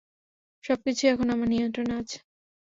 সবকিছুই এখন আমার নিয়ন্ত্রণে আছে।